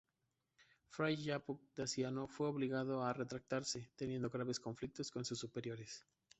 Fray Jacobo Daciano fue obligado a retractarse, teniendo graves conflictos con sus superiores.